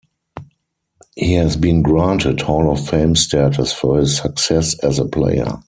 He has been granted Hall of Fame Status for his success as a player.